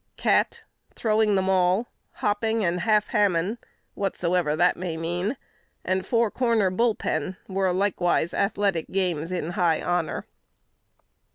"Cat," "throwing the mall," "hopping and half hammon" (whatsoever that may mean), and "four corner bull pen" were likewise athletic games in high honor.